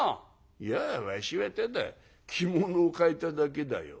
「いやわしはただ着物を替えただけだよ。